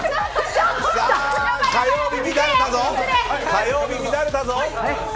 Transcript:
火曜日、乱れたぞ。